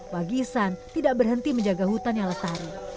wagisan tidak berhenti menjaga hutan yang letari